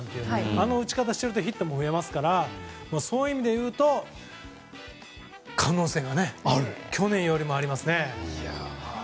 あの打ち方をしているとヒットも見えますからそういう意味でいうと、可能性が去年よりもありますね。